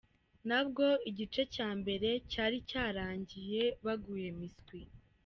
Nabwo igice cya mbere cyari cyarangiye baguye niswi.